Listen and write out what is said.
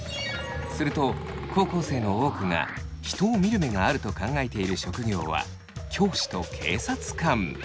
すると高校生の多くが人を見る目があると考えている職業は教師と警察官。